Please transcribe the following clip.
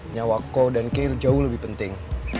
nyawa kau dan kir jauh lebih penting